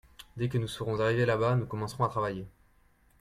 Dès que nous serons arrivés là-bas nous commencerons à travailler.